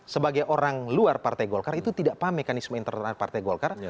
sebagai orang luar partai golkar itu tidak paham mekanisme internal partai golkar